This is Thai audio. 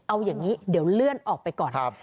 เอาอย่างนี้เดี๋ยวเลื่อนออกไปก่อน